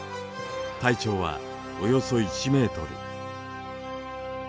体長はおよそ１ｍ。